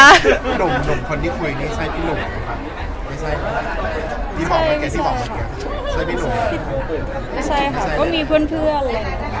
หนุ่มคนที่คุยนี่ใช่พี่หนุ่มหรือเปล่า